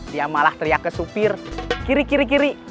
dia malah teriak ke supir kiri kiri kiri